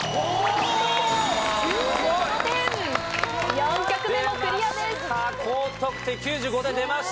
４曲目もクリアです。